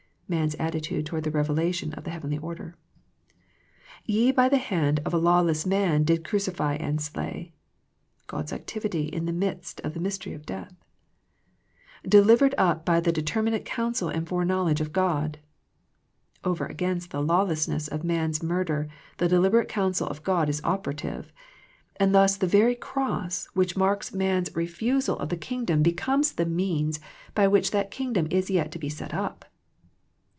Man's attitude towards the revelation of the heavenly order —" ye by the hand of law less men did crucify and slay," God's activity in the midst of the mystery of death —" delivered up by the determinate counsel and foreknowledge of God." Over against the lawlessness of man's murder the deliberate counsel of God is operative, and thus the very Cross which marks man's re THE PLAKE OF PEAYEE 81 fusal of the Kingdom becomes the means by which that Kingdom is yet to be set up.